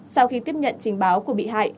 sau khi tiếp nhận trình báo của bị hại